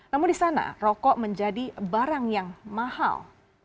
namun di sana rokok menjadi barang yang mahal